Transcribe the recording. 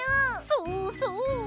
そうそう！